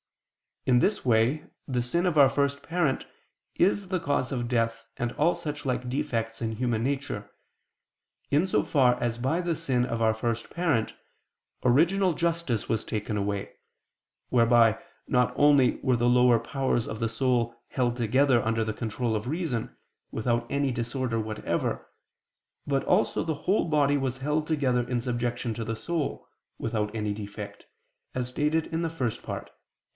In this way the sin of our first parent is the cause of death and all such like defects in human nature, in so far as by the sin of our first parent original justice was taken away, whereby not only were the lower powers of the soul held together under the control of reason, without any disorder whatever, but also the whole body was held together in subjection to the soul, without any defect, as stated in the First Part (Q.